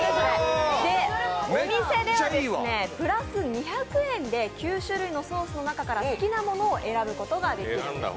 お店ではプラス２００円で９種類のソースの中から好きなものを選ぶことができます